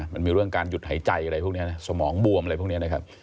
มันมีเรื่องการหยุดหายใจอะไรพวกนี้นะสมองบวมอะไรพวกนี้นะครับ